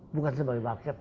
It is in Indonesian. bukan sebagai wakil